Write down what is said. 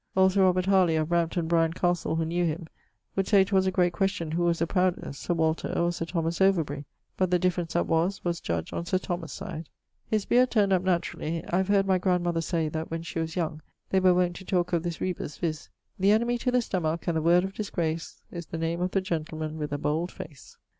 Old Sir Robert Harley of Brampton Brian Castle, who knew him, would say 'twas a great question who was the proudest, Sir Walter, or Sir Thomas Overbury, but the difference that was, was judged on Sir Thomas' side. His beard turnd up naturally. I have heard my grandmother say that when she was young, they were wont to talke of this rebus, viz., The enemie to the stomack, and the word of disgrace, Is the name of the gentleman with a bold face.